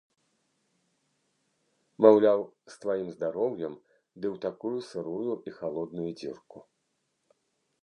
Маўляў, з тваім здароўем ды ў такую сырую і халодную дзірку.